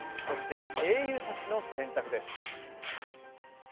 そして「英雄たちの選択」です。